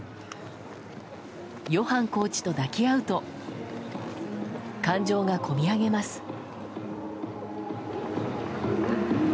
ヨハンコーチと抱き合うと感情が込み上げます。